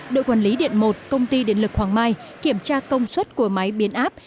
đội quản lý điện một công ty điện lực hoàng mai kiểm tra công suất của máy biến áp